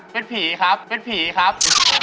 เป็นผีครับเป็นผีครับ